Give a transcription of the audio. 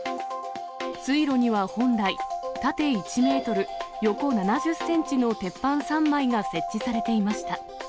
水路には本来、縦１メートル、横７０センチの鉄板３枚が設置されていました。